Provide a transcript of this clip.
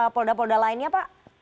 polda polda lainnya pak